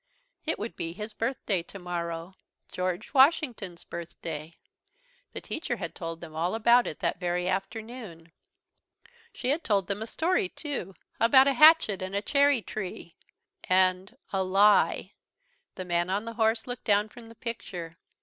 It would be his birthday tomorrow George Washington's birthday. The teacher had told them all about it that very afternoon. She had told them a story, too, about a hatchet and a cherry tree and a lie! The man on the horse looked down from the picture.